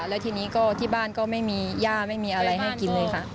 แล้วทีนี้ก็ที่บ้านก็ไม่มีย่าไม่มีอะไรให้กินเลยค่ะ